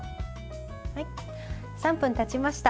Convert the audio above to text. ３分たちました。